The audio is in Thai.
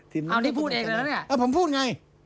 นี้พูดเองเลยนี่อะผมพูดไง